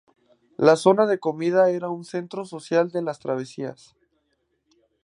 La zona de comida era un centro social de las travesías.